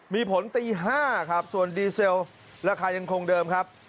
มีผลตี๕ครับส่วนดีเซลราคายังคงเดิมครับ